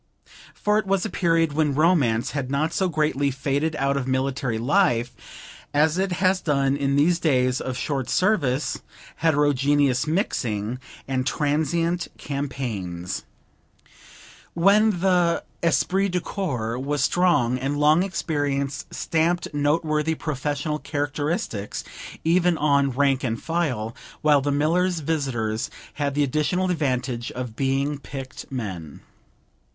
For it was a period when romance had not so greatly faded out of military life as it has done in these days of short service, heterogeneous mixing, and transient campaigns; when the esprit de corps was strong, and long experience stamped noteworthy professional characteristics even on rank and file; while the miller's visitors had the additional advantage of being picked men.